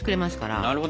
なるほどね。